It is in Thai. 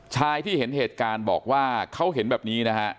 ชายที่เห็นเหตุการณ์บอกว่าเขาเห็นแบบนี้นะฮะ